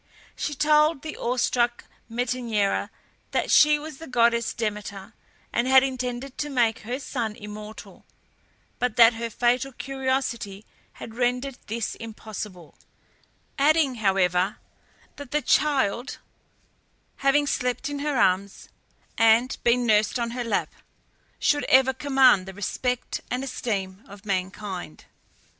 She told the awe struck Metaneira that she was the goddess Demeter, and had intended to make her son immortal, but that her fatal curiosity had rendered this impossible, adding, however, that the child, having slept in her arms, and been nursed on her lap, should ever command the respect and esteem of mankind.